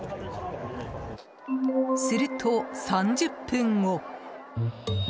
すると３０分後。